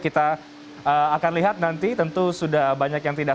kita akan lihat nanti tentu sudah banyak yang tidak